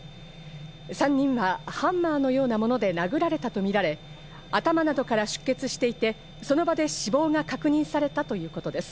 ３人はハンマーのようなもので殴られたとみられ、頭などから出血していて、その場で死亡が確認されたということです。